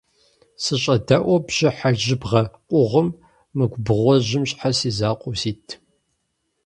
СыщӀэдэӀуу бжьыхьэ жьыбгъэ къугъым, мы губгъуэжьым щхьэ си закъуэу сит?